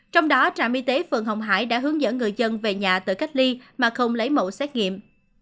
trong đó trạm y tế phường hồng hải đã hướng dẫn người dân về nhà tự cách ly mà không lấy mẫu xét nghiệm